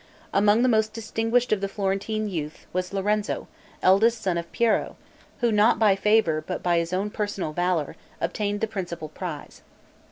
Among the most distinguished of the Florentine youth was Lorenzo, eldest son of Piero, who, not by favor, but by his own personal valor, obtained the principal prize.